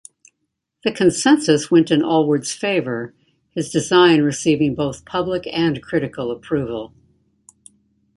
The consensus went in Allward's favour, his design receiving both public and critical approval.